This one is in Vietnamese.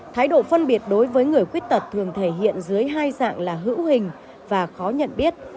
thái độ phân biệt đối với người khuyết tật thường thể hiện dưới hai dạng là hữu hình và khó nhận biết